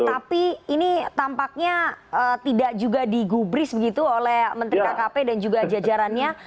tapi ini tampaknya tidak juga digubris begitu oleh menteri kkp dan juga jajarannya